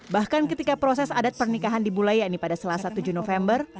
bahkan ketika proses adat pernikahan dimulai yakni pada selasa tujuh november